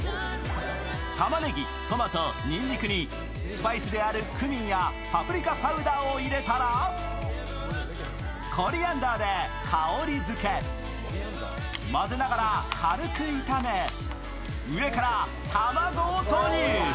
たまねぎ、トマト、にんにくにスパイスであるクミンやパプリカパウダーを入れたら混ぜながら軽く炒め、上から卵を投入。